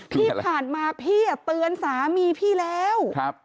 ที่ผ่านมาพี่เตือนสามีพี่แล้ว